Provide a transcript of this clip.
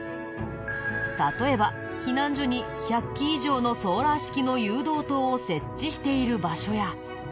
例えば避難所に１００基以上のソーラー式の誘導灯を設置している場所や。